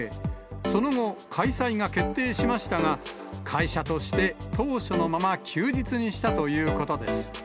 その後、開催が決定しましたが、会社として、当初のまま、休日にしたということです。